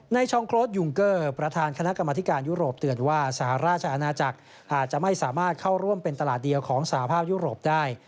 ชองโครสยุงเกอร์ประธานคณะกรรมธิการยุโรปเตือนว่าสหราชอาณาจักรอาจจะไม่สามารถเข้าร่วมเป็นตลาดเดียวของสหภาพยุโรปได้